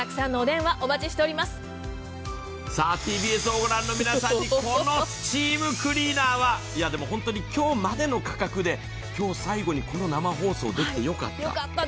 ＴＢＳを御覧の皆さんにこのスチームクリーナーは、でもホントに今日までの価格で、今日最後にこの生放送でよかった。